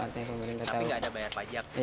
tapi nggak ada bayar pajak